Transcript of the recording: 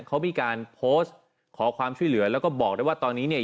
เขามีการโพสต์ขอความช่วยเหลือแล้วก็บอกได้ว่าตอนนี้เนี่ย